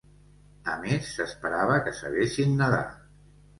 A més s'esperava que sabessin nedar.